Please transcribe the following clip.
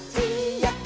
「やった！